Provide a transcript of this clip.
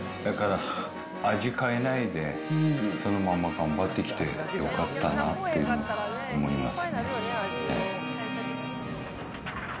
味変えないで、そのまま頑張ってきてよかったなって思いますね。